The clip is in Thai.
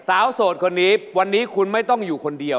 โสดคนนี้วันนี้คุณไม่ต้องอยู่คนเดียว